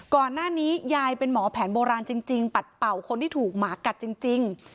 ก่อนหน้านี้ยายเป็นหมอแผนโบราณจริงปัดเป่าคนที่ถูกหมากัดจริง